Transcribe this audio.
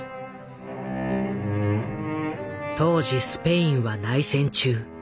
当時スペインは内戦中。